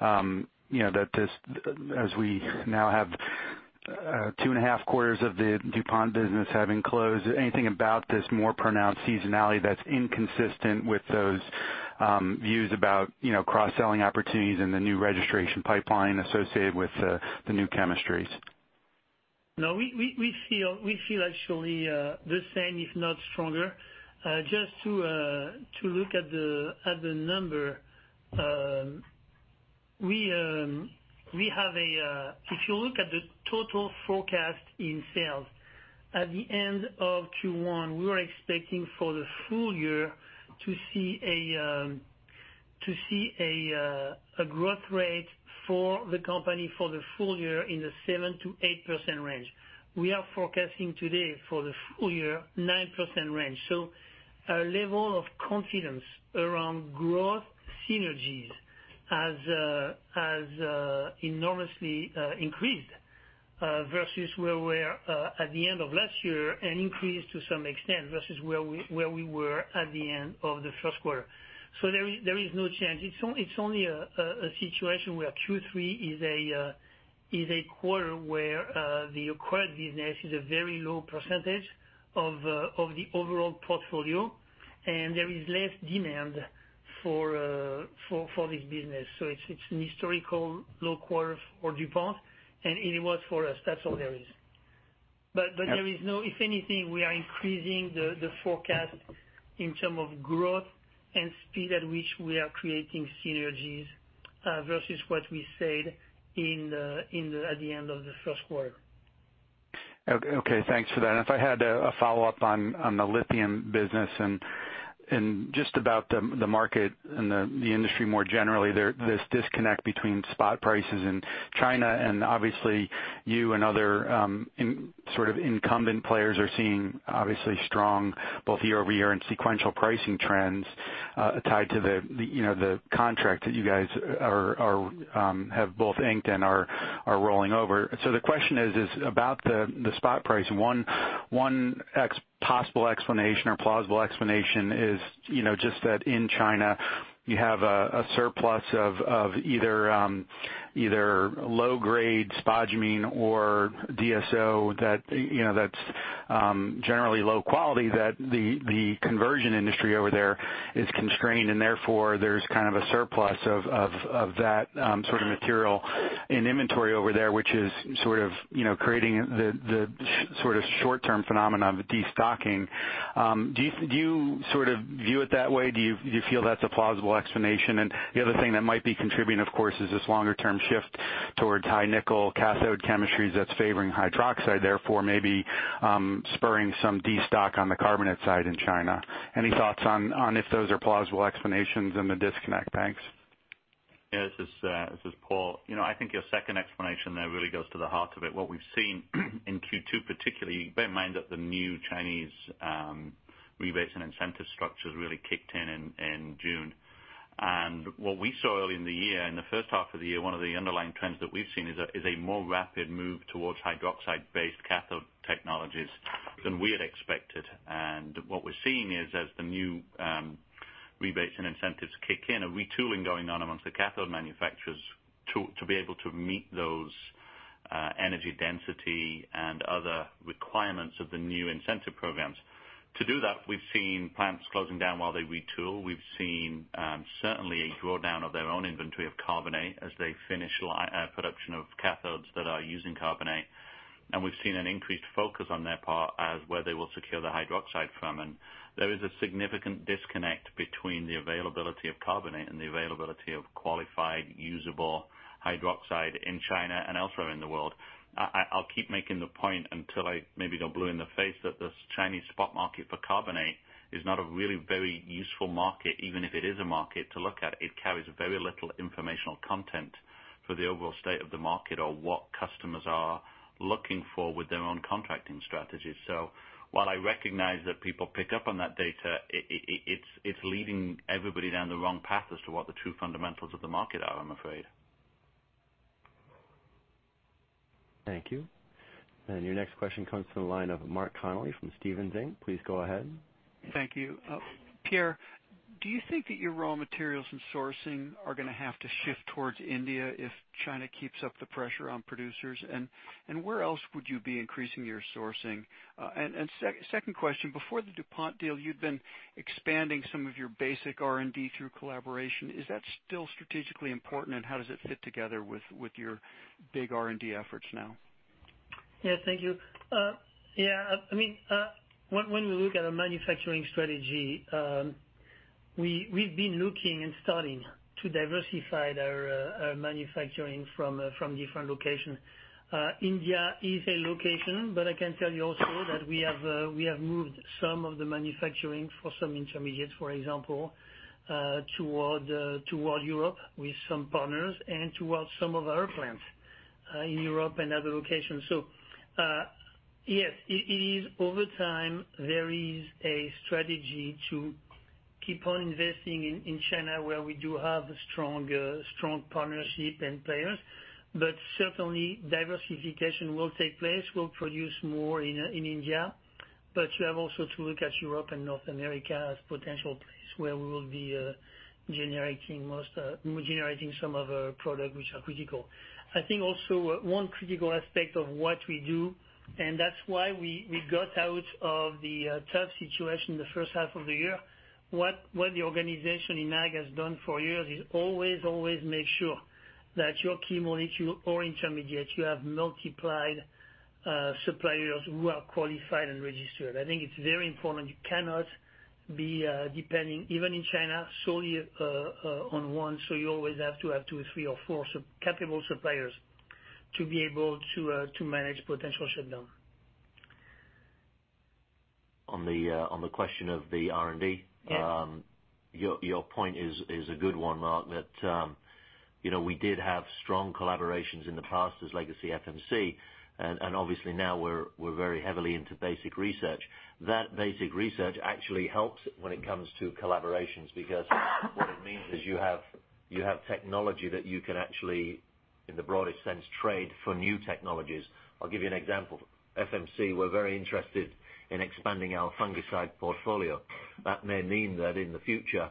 L: as we now have two and a half quarters of the DuPont business having closed, anything about this more pronounced seasonality that's inconsistent with those views about cross-selling opportunities and the new registration pipeline associated with the new chemistries.
C: No. We feel actually the same, if not stronger. Just to look at the number. If you look at the total forecast in sales at the end of Q1, we were expecting for the full year to see a growth rate for the company for the full year in the 7%-8% range. We are forecasting today for the full year, 9% range. Our level of confidence around growth synergies has enormously increased, versus where we were at the end of last year and increased to some extent, versus where we were at the end of the first quarter. There is no change. It's only a situation where Q3 is a quarter where the acquired business is a very low percentage of the overall portfolio and there is less demand for this business. It's an historical low quarter for DuPont and it was for us. That's all there is. If anything, we are increasing the forecast in term of growth and speed at which we are creating synergies, versus what we said at the end of the first quarter.
L: Okay. Thanks for that. If I had a follow-up on the lithium business and just about the market and the industry more generally, this disconnect between spot prices in China and obviously you and other sort of incumbent players are seeing obviously strong both year-over-year and sequential pricing trends tied to the contract that you guys have both inked and are rolling over. The question is about the spot price. One possible explanation or plausible explanation is just that in China you have a surplus of either low grade spodumene or DSO that's generally low quality that the conversion industry over there is constrained and therefore there's kind of a surplus of that sort of material in inventory over there, which is sort of creating the short-term phenomenon of destocking. Do you view it that way? Do you feel that's a plausible explanation? The other thing that might be contributing, of course, is this longer term shift towards high nickel cathode chemistries that's favoring hydroxide, therefore maybe spurring some destock on the carbonate side in China. Any thoughts on if those are plausible explanations in the disconnect? Thanks.
I: Yeah, this is Paul. I think your second explanation there really goes to the heart of it. What we've seen in Q2 particularly, bear in mind that the new Chinese rebates and incentive structures really kicked in June. What we saw early in the year, in the first half of the year, one of the underlying trends that we've seen is a more rapid move towards hydroxide-based cathode technologies than we had expected. What we're seeing is as the new rebates and incentives kick in, a retooling going on amongst the cathode manufacturers to be able to meet those energy density and other requirements of the new incentive programs. To do that, we've seen plants closing down while they retool. We've seen certainly a drawdown of their own inventory of carbonate as they finish production of cathodes that are using carbonate. We've seen an increased focus on their part as where they will secure the hydroxide from. There is a significant disconnect between the availability of carbonate and the availability of qualified, usable hydroxide in China and elsewhere in the world. I'll keep making the point until I maybe go blue in the face that the Chinese spot market for carbonate is not a really very useful market, even if it is a market to look at. It carries very little informational content for the overall state of the market or what customers are looking for with their own contracting strategies. While I recognize that people pick up on that data, it's leading everybody down the wrong path as to what the true fundamentals of the market are, I'm afraid.
A: Thank you. Your next question comes from the line of Mark Connelly from Stephens Inc. Please go ahead.
M: Thank you. Pierre, do you think that your raw materials and sourcing are going to have to shift towards India if China keeps up the pressure on producers? Where else would you be increasing your sourcing? Second question, before the DuPont deal, you'd been expanding some of your basic R&D through collaboration. Is that still strategically important, and how does it fit together with your big R&D efforts now?
C: Yes, thank you. Yeah, when we look at our manufacturing strategy, we've been looking and starting to diversify our manufacturing from different locations. India is a location, but I can tell you also that we have moved some of the manufacturing for some intermediates, for example, toward Europe with some partners and towards some of our plants in Europe and other locations. Yes, over time, there is a strategy to keep on investing in China, where we do have a strong partnership and players. Certainly, diversification will take place. We'll produce more in India. You have also to look at Europe and North America as potential place where we will be generating some of our product which are critical. I think also one critical aspect of what we do, and that's why we got out of the tough situation the first half of the year, what the organization in Ag has done for years is always make sure that your key molecule or intermediate, you have multiplied suppliers who are qualified and registered. I think it's very important. You cannot be depending, even in China, solely on one. You always have to have two or three or four capable suppliers to be able to manage potential shutdown.
F: On the question of the R&D.
C: Yes
F: Your point is a good one, Mark, that we did have strong collaborations in the past as legacy FMC, and obviously now we're very heavily into basic research. That basic research actually helps when it comes to collaborations, because what it means is you have technology that you can actually, in the broadest sense, trade for new technologies. I'll give you an example. FMC were very interested in expanding our fungicide portfolio. That may mean that in the future,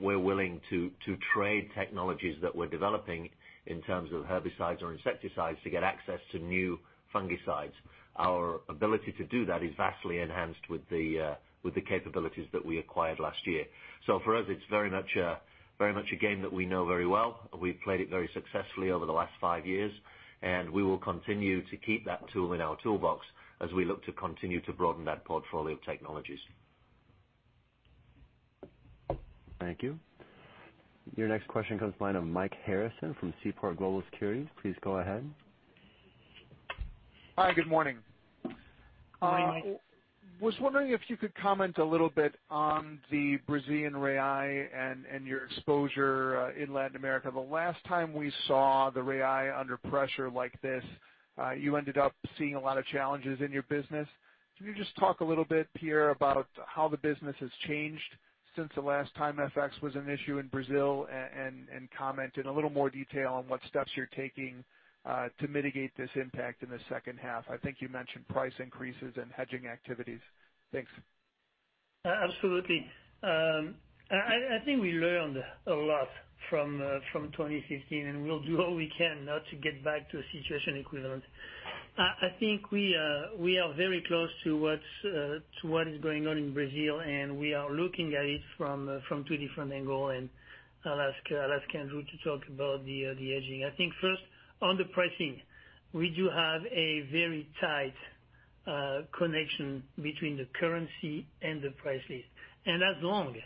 F: we're willing to trade technologies that we're developing in terms of herbicides or insecticides to get access to new fungicides. Our ability to do that is vastly enhanced with the capabilities that we acquired last year. For us, it's very much a game that we know very well. We've played it very successfully over the last five years, we will continue to keep that tool in our toolbox as we look to continue to broaden that portfolio of technologies.
A: Thank you. Your next question comes from the line of Mike Harrison from Seaport Global Securities. Please go ahead.
N: Hi, good morning.
C: Good morning.
N: Was wondering if you could comment a little bit on the Brazilian real and your exposure in Latin America. The last time we saw the real under pressure like this, you ended up seeing a lot of challenges in your business. Can you just talk a little bit, Pierre, about how the business has changed since the last time FX was an issue in Brazil, and comment in a little more detail on what steps you're taking to mitigate this impact in the second half? I think you mentioned price increases and hedging activities. Thanks.
C: Absolutely. I think we learned a lot from 2015, we'll do all we can not to get back to a situation equivalent. I think we are very close to what is going on in Brazil, I'll ask Andrew to talk about the hedging. I think first, on the pricing, we do have a very tight connection between the currency and the price list. As long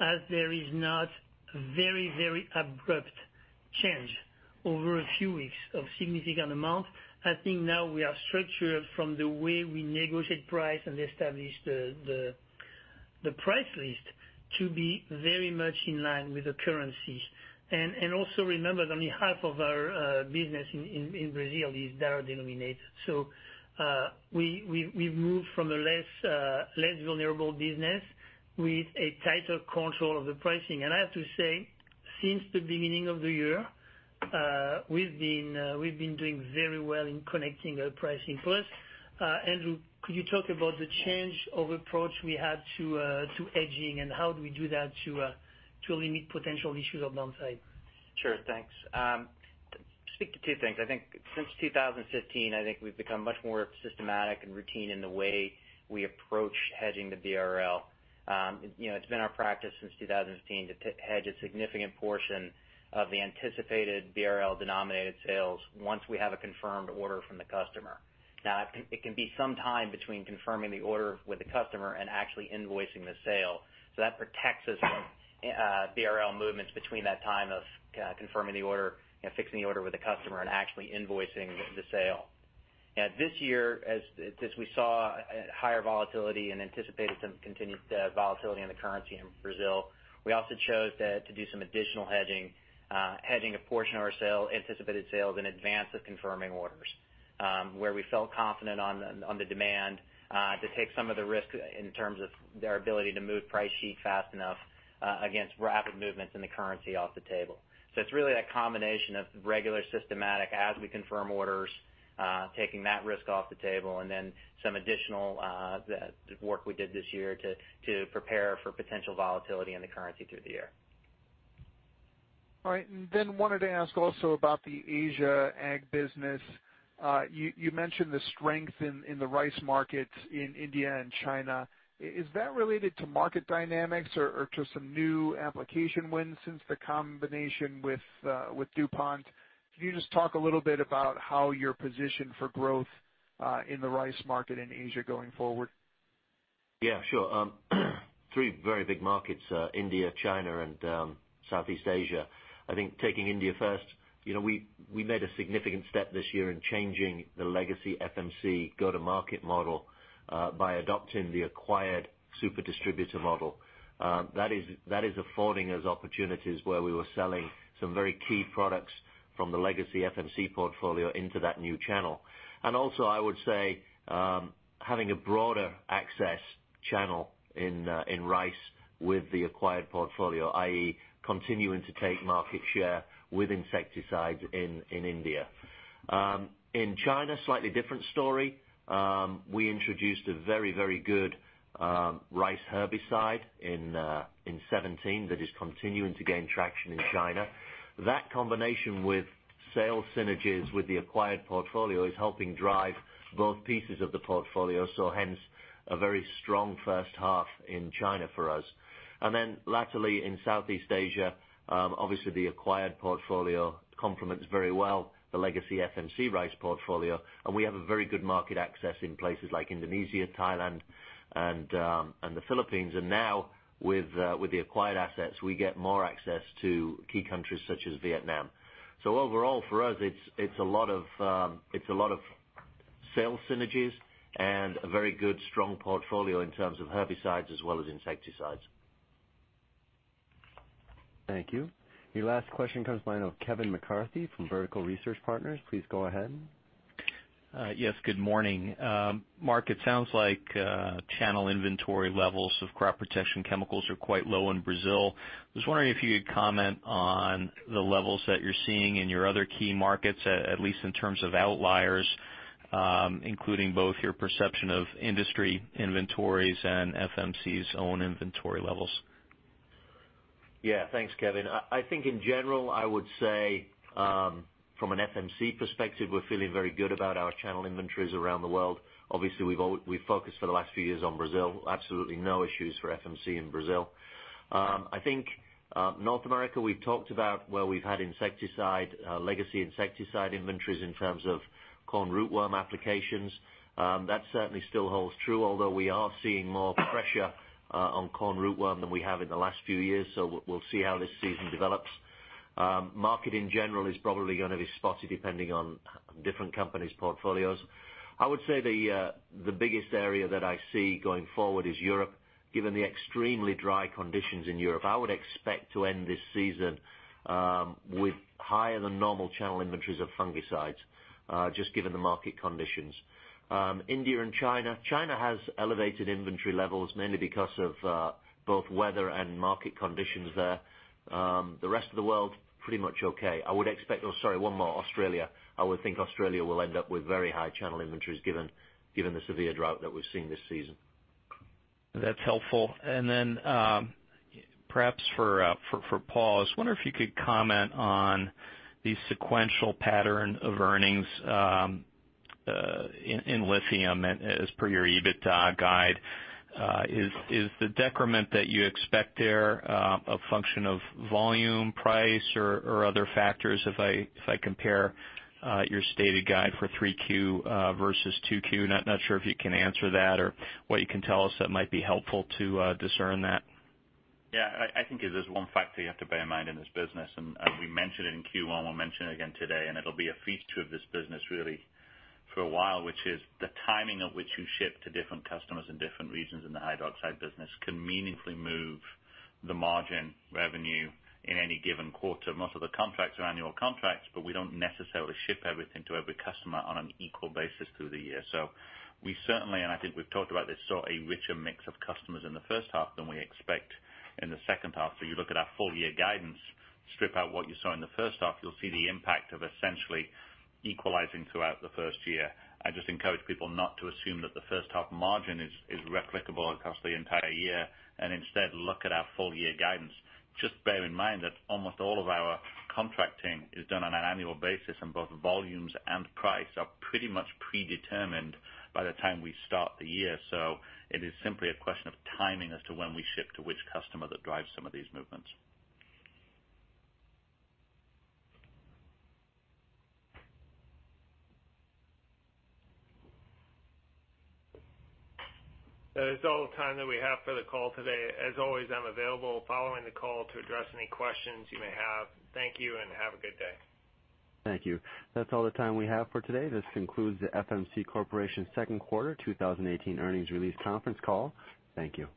C: as there is not very abrupt change over a few weeks of significant amount, I think now we are structured from the way we negotiate price and establish the price list to be very much in line with the currencies. Also remember that only half of our business in Brazil is dollar denominated. We moved from a less vulnerable business with a tighter control of the pricing. I have to say, since the beginning of the year, we've been doing very well in connecting our pricing. Plus, Andrew, could you talk about the change of approach we had to hedging and how do we do that to limit potential issues on downside?
D: Sure, thanks. Speak to two things. Since 2015, we've become much more systematic and routine in the way we approach hedging the BRL. It's been our practice since 2016 to hedge a significant portion of the anticipated BRL-denominated sales once we have a confirmed order from the customer. It can be some time between confirming the order with the customer and actually invoicing the sale. That protects us from BRL movements between that time of confirming the order, fixing the order with the customer, and actually invoicing the sale. This year, as we saw higher volatility and anticipated some continued volatility in the currency in Brazil, we also chose to do some additional hedging. Hedging a portion of our anticipated sales in advance of confirming orders. Where we felt confident on the demand, to take some of the risk in terms of their ability to move price sheets fast enough against rapid movements in the currency off the table. It's really that combination of regular, systematic, as we confirm orders, taking that risk off the table, and then some additional work we did this year to prepare for potential volatility in the currency through the year.
N: All right. Wanted to ask also about the Asia ag business. You mentioned the strength in the rice market in India and China. Is that related to market dynamics or just some new application wins since the combination with DuPont? Can you just talk a little bit about how you're positioned for growth in the rice market in Asia going forward?
F: Yeah, sure. Three very big markets, India, China, and Southeast Asia. Taking India first, we made a significant step this year in changing the legacy FMC go-to-market model by adopting the acquired super distributor model. That is affording us opportunities where we were selling some very key products from the legacy FMC portfolio into that new channel. I would say, having a broader access channel in rice with the acquired portfolio, i.e., continuing to take market share with insecticides in India. In China, slightly different story. We introduced a very good rice herbicide in 2017 that is continuing to gain traction in China. That combination with sales synergies with the acquired portfolio is helping drive both pieces of the portfolio, hence a very strong first half in China for us. latterly in Southeast Asia, obviously the acquired portfolio complements very well the legacy FMC rice portfolio, and we have a very good market access in places like Indonesia, Thailand, and the Philippines. Now, with the acquired assets, we get more access to key countries such as Vietnam. Overall for us, it's a lot of sales synergies and a very good, strong portfolio in terms of herbicides as well as insecticides.
A: Thank you. Your last question comes from the line of Kevin McCarthy from Vertical Research Partners. Please go ahead.
O: Yes, good morning. Mark, it sounds like channel inventory levels of crop protection chemicals are quite low in Brazil. I was wondering if you could comment on the levels that you're seeing in your other key markets, at least in terms of outliers, including both your perception of industry inventories and FMC's own inventory levels.
F: Thanks, Kevin. I think in general, I would say from an FMC perspective, we're feeling very good about our channel inventories around the world. Obviously, we've focused for the last few years on Brazil. Absolutely no issues for FMC in Brazil. I think North America, we've talked about where we've had legacy insecticide inventories in terms of corn rootworm applications. That certainly still holds true, although we are seeing more pressure on corn rootworm than we have in the last few years. We'll see how this season develops. Market in general is probably going to be spotty depending on different companies' portfolios. I would say the biggest area that I see going forward is Europe. Given the extremely dry conditions in Europe, I would expect to end this season with higher than normal channel inventories of fungicides, just given the market conditions. India and China. China has elevated inventory levels mainly because of both weather and market conditions there. The rest of the world, pretty much okay. Oh, sorry, one more. Australia. I would think Australia will end up with very high channel inventories given the severe drought that we've seen this season.
O: That's helpful. Perhaps for Paul, I was wondering if you could comment on the sequential pattern of earnings in lithium as per your EBITDA guide. Is the decrement that you expect there a function of volume, price, or other factors if I compare your stated guide for three Q versus two Q? Not sure if you can answer that or what you can tell us that might be helpful to discern that.
I: Yeah, I think there's one factor you have to bear in mind in this business, and we mentioned it in Q1, we'll mention it again today, and it'll be a feature of this business really for a while, which is the timing of which you ship to different customers in different regions in the high hydroxide business can meaningfully move the margin, revenue in any given quarter. Most of the contracts are annual contracts, but we don't necessarily ship everything to every customer on an equal basis through the year. We certainly, and I think we've talked about this, saw a richer mix of customers in the first half than we expect in the second half. You look at our full year guidance, strip out what you saw in the first half, you'll see the impact of essentially equalizing throughout the full year.
D: I just encourage people not to assume that the first half margin is replicable across the entire year, and instead look at our full year guidance. Just bear in mind that almost all of our contracting is done on an annual basis, and both volumes and price are pretty much predetermined by the time we start the year. It is simply a question of timing as to when we ship to which customer that drives some of these movements.
B: That is all the time that we have for the call today. As always, I'm available following the call to address any questions you may have. Thank you and have a good day.
A: Thank you. That's all the time we have for today. This concludes the FMC Corporation second quarter 2018 earnings release conference call. Thank you.